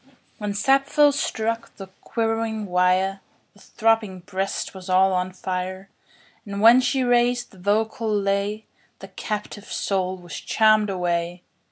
1 When Sappho struck the quivering wire, The throbbing breast was all on fire; And when she raised the vocal lay, The captive soul was charm'd away!